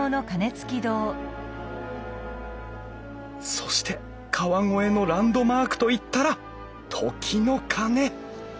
そして川越のランドマークといったら時の鐘